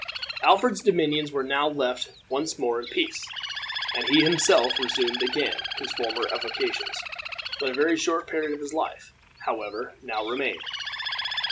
Alfred's dominions were now left once more in peace, and he himself resumed again his former avocations. But a very short period of his life, however, now remained.